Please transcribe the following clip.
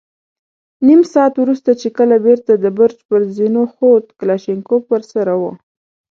نيم ساعت وروسته چې کله بېرته د برج پر زينو خوت، کلاشينکوف ور سره و.